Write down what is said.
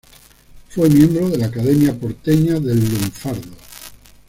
Fue miembro de la Academia Porteña del Lunfardo.